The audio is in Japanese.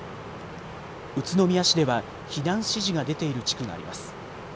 宇都宮市では避難指示が出ている地区があります。